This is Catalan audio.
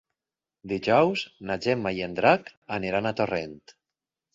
Dijous na Gemma i en Drac iran a Torrent.